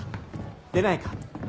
出ないか？